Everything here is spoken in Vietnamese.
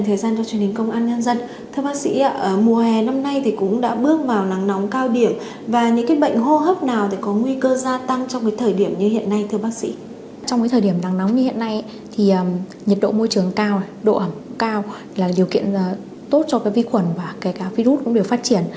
thì nhiệt độ môi trường cao độ ẩm cao là điều kiện tốt cho vi khuẩn và virus cũng đều phát triển